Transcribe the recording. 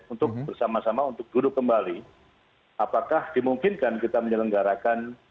untuk bersama sama untuk duduk kembali apakah dimungkinkan kita menyelenggarakan